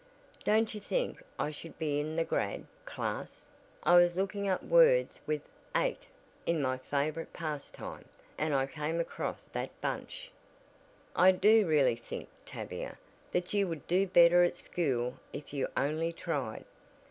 Don't you think I should be in the grad. class? I was looking up words with 'ate' in my favorite pastime, and I came across that bunch." "I do really think, Tavia, that you would do better at school if you only tried.